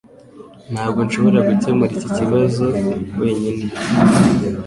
Ntabwo nshobora gukemura iki kibazo wenyine